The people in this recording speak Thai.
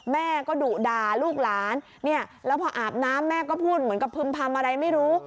แม่ก็ดุด่าลูกหลานเนี่ยแล้วพออาบน้ำแม่ก็พูดเหมือนกับพึ่มพำอะไรไม่รู้